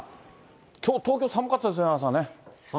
きょう、東京寒かったですね、朝ね。